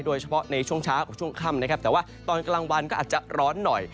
โดยเฉพาะในช่วงเช้ากับช่วงค่ำนะครับแต่ว่าตอนกลางวันก็อาจจะร้อนหน่อย